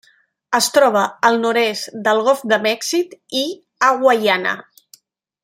Es troba al nord-est del Golf de Mèxic i a Guaiana.